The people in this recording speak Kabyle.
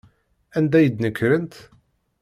Anda ay d-nekrent?